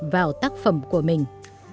vào tác phẩm của mình